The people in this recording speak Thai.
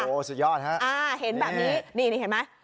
โอ้โหสุดยอดฮะอ่าเห็นแบบนี้นี่เห็นไหม